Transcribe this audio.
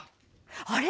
あれ？